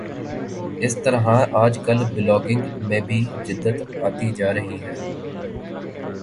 اسی طرح آج کل بلاگنگ میں بھی جدت آتی جارہی ہے